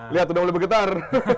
lihat sudah mulai bergetar